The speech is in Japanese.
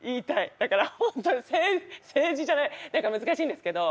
だから本当に政治じゃない何か難しいんですけど。